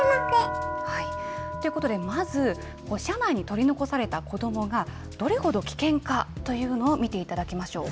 ということでまず、車内に取り残された子どもが、どれほど危険かというのを見ていただきましょう。